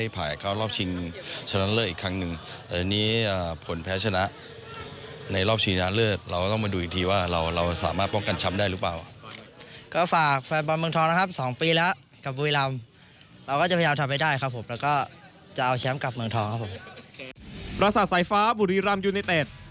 ปราศัยไฟฟ้าบุรีรำยูเนตเอ็ด